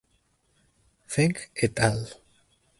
Feng et al.